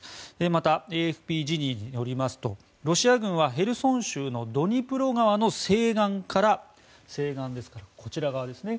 また、ＡＦＰ時事によりますとロシア軍はヘルソン州のドニプロ川の西岸からこちら側からですね。